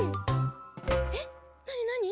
えっなになに？